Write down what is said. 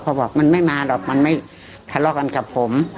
เขาบอกมันไม่มาหรอกมันไม่ทะเลาะกันกับผม